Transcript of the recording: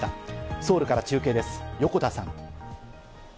ソウルから中継です、横田さん。